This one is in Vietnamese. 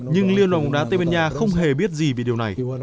nhưng liên lòng đá tây minh nha không hề biết gì về điều này